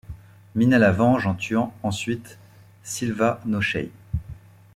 Mina la venge en tuant ensuite Silvanoshei.